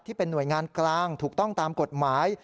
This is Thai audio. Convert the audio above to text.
หน่วยงานกลางถูกต้องตามกฎหมาย